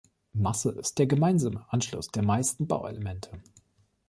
Masse ist der gemeinsame Anschluss der meisten Bauelemente.